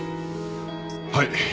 はい！